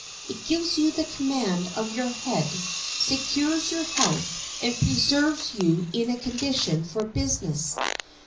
It gives you the command of your head, secures you health, and preserves you in a condition for business.